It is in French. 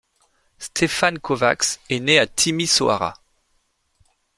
Ștefan Kovács est né à Timișoara.